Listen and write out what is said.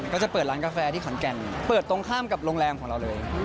ก็จะเปิดร้านกาแฟที่ขอนแก่นเปิดตรงข้ามกับโรงแรมของเราเลย